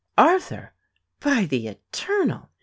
"Arthur! By the Eternal!"